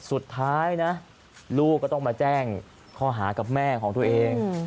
สุดท้ายนะลูกก็ต้องมาแจ้งข้อหากับแม่ของตัวเอง